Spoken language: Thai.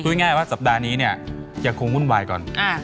ง่ายว่าสัปดาห์นี้เนี่ยยังคงวุ่นวายก่อน